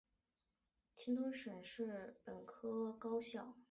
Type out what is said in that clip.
山东青年政治学院是一所山东省属普通本科高校。